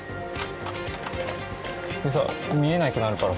見えなくなるからさ